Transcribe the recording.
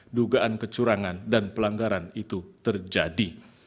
pemohon juga mengatakan bahwa kekurangan dan pelanggaran itu terjadi